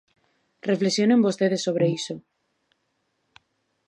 Reflexionen vostedes sobre iso.